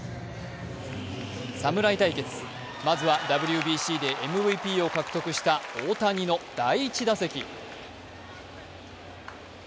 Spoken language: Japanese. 侍対決、まずはＷＢＣでＭＶＰを獲得した大谷の第１打席。